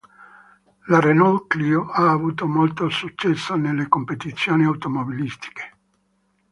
La Renault Clio ha avuto molto successo nelle competizioni automobilistiche.